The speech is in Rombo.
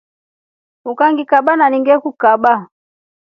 Ukanyikaba nani ngekukaba.